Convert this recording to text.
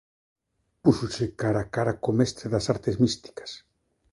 Púxoche cara a cara co Mestre das Artes Místicas.